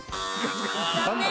残念。